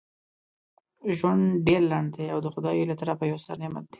ژوند ډیر لنډ دی او دا دخدای له طرفه یو ستر نعمت دی.